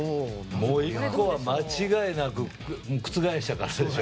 １個は間違いなく覆したからでしょ。